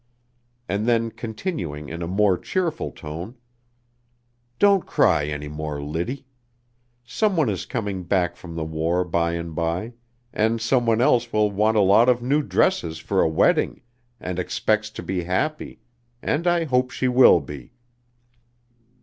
and then continuing in a more cheerful tone: "Don't cry any more, Liddy. Some one is coming back from the war by and by, and some one else will want a lot of new dresses for a wedding, and expects to be happy, and I hope she will be."